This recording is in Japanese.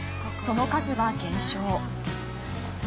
その数は減少。